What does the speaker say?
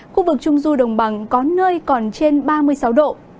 khu vực trung du đồng bằng có nơi còn trên ba mươi sáu độ